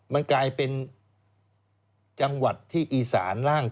มันกลายเป็นจังหวัดที่อีสานล่าง